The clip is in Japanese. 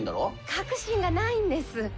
確信がないんです。